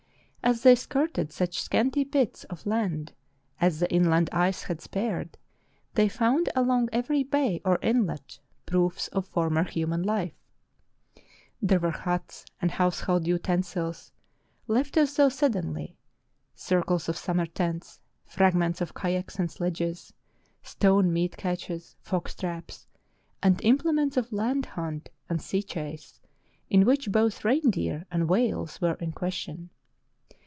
As they skirted such scanty bits of land as the inland ice had spared, they found along every bay or inlet proofs of former human life. There were huts and household utensils, — left as though suddenly, — circles of summer tents, fragments of ka yaks and sledges, stone meat caches, fox traps, and implements of land hunt and sea chase, in which both reindeer and whales were in question.